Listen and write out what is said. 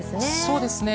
そうですね。